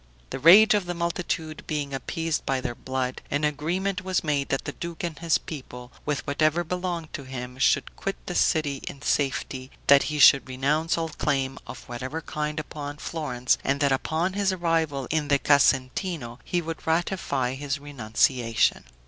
The rage of the multitude being appeased by their blood, an agreement was made that the duke and his people, with whatever belonged to him, should quit the city in safety; that he should renounce all claim, of whatever kind, upon Florence, and that upon his arrival in the Casentino he should ratify his renunciation.